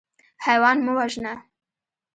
حیوان مه وژنه.